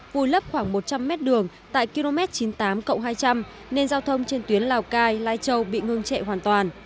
vùi lấp khoảng một trăm linh mét đường tại km chín mươi tám hai trăm linh nên giao thông trên tuyến lào cai lai châu bị ngưng trệ hoàn toàn